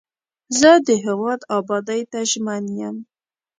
زه د هیواد ابادۍ ته ژمن یم.